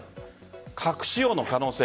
核使用の可能性